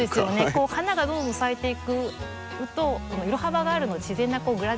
花がどんどん咲いていくと色幅があるので自然なグラデーションで。